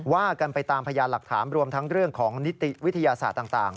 ว่ากันไปตามพยานหลักฐานรวมทั้งเรื่องของนิติวิทยาศาสตร์ต่าง